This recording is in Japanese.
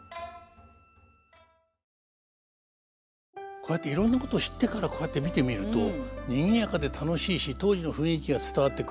こうやっていろんなこと知ってからこうやって見てみるとにぎやかで楽しいし当時の雰囲気が伝わってくるし。